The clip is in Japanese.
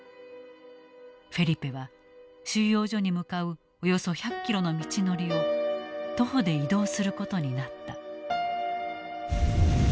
フェリペは収容所に向かうおよそ１００キロの道のりを徒歩で移動することになった。